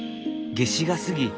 夏至が過ぎ